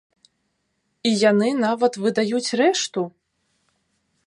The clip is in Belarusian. І яны нават выдаюць рэшту!